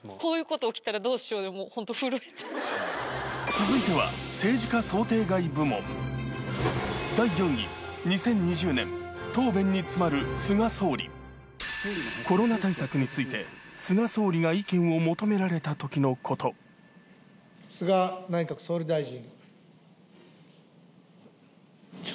続いてはについて菅総理が意見を求められた時のこと菅内閣総理大臣。